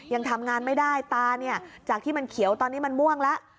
ยังทำงานไม่ได้ตาเนี่ยจากที่มันเขียวตอนนี้มันม่วงแล้ว